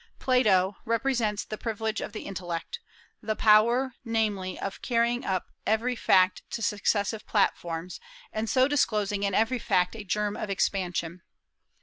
Plato ... represents the privilege of the intellect, the power, namely, of carrying up every fact to successive platforms, and so disclosing in every fact a germ of expansion....